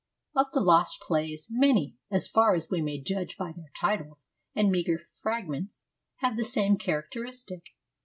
Of the lost plays, many, as far as we may judge by their titles and meagre fragments, have the same characteristic.